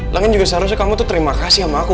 tapi juga seharusnya kamu tuh terima kasih sama aku